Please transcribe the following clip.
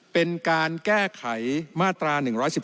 เป็นการแก้ไขมาตรา๑๑๒